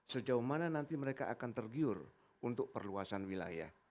sejauh mana nanti mereka akan tergiur untuk perkembangannya